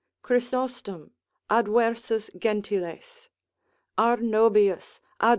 Chrysostom advers. Gentil. Arnobius adv.